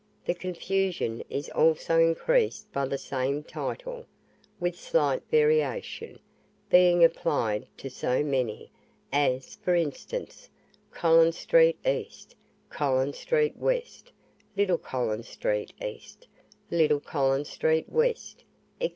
The confusion is also increased by the same title, with slight variation, being applied to so many, as, for instance, Collins Street East; Collins Street West; Little Collins Street East; Little Collins Street West, &c.